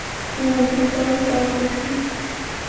Llantutraw taakushun.